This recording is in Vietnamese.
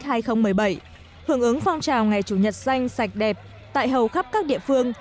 hưởng ứng phong trào ngày chủ nhật xanh sạch đẹp tại hầu khắp các địa phương